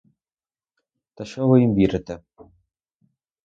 Та що ви їм вірите!